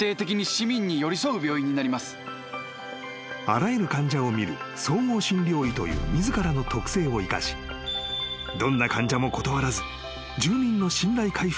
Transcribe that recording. ［あらゆる患者を診る総合診療医という自らの特性を生かしどんな患者も断らず住民の信頼回復に努める］